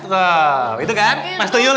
wow itu kan mas tuyul kan